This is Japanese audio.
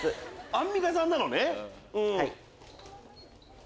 アンミカさんなのね。